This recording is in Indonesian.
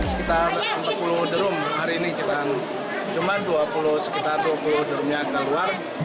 sekitar dua puluh derum hari ini kita hanya dua puluh derumnya keluar